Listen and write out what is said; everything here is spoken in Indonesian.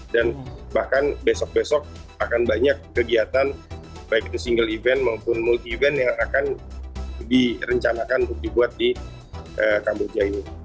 dan bahkan besok besok akan banyak kegiatan baik itu single event maupun multi event yang akan direncanakan untuk dibuat di kamboja ini